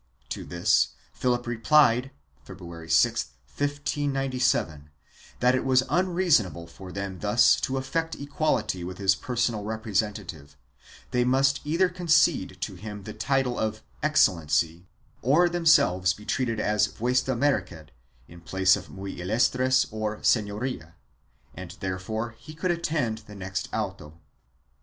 To this Philip replied, February 6, 1597, that it was unreasonable for them thus to affect equality with his personal representative; they must either concede to him the title of Excellency or them selves be treated as vuestra merced, in place of muy ilustres or senoria, and therefore he could attend the next auto.